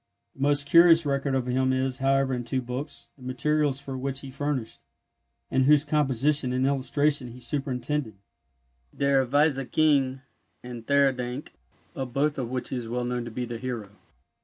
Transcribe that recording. The most curious record of him is, however, in two books, the materials for which he furnished, and whose composition and illustration he superintended, Der Weise King, and Theurdank, of both of which he is well known to be the hero.